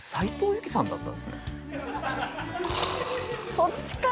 そっちか。